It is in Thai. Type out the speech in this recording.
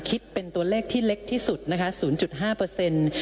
คิดเป็นตัวเลขที่เล็กที่สุดนะคะ๐๕เปอร์เซ็นต์